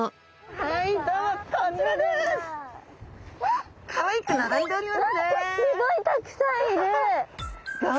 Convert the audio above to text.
何かすごいたくさんいる！